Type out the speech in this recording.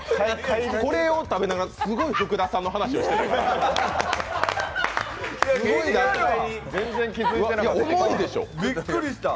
これで食べながらすごい福田さんの話をしてるからびっくりした。